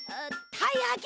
たいやき！